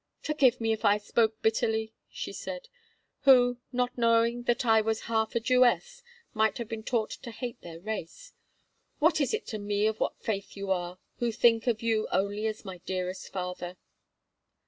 "Forgive me if I spoke bitterly," she said, "who, not knowing that I was half a Jewess, have been taught to hate their race. What is it to me of what faith you are, who think of you only as my dearest father?"